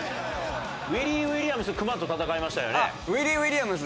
ウィリー・ウィリアムス熊と戦いましたよね。